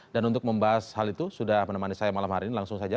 dan untuk membahas hal itu sudah menemani saya malam hari ini langsung saja